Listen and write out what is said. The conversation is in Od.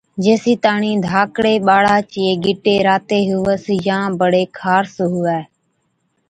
جيسِي تاڻِي ڌاڪڙي ٻاڙا چي گِٽي راتي هُوَس يان بڙي خارس هُوَي